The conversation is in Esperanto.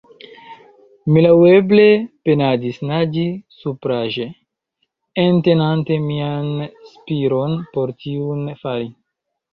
Mi laŭeble penadis naĝi supraĵe, entenante mian spiron, por tiun fari.